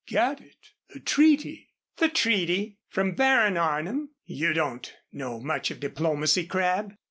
"Get it. The treaty." "The treaty! From Baron Arnim! You don't know much of diplomacy, Crabb."